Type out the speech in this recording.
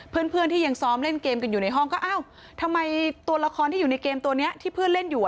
เพื่อนที่ยังซ้อมเล่นเกมกันอยู่ในห้องก็อ้าวทำไมตัวละครที่อยู่ในเกมตัวนี้ที่เพื่อนเล่นอยู่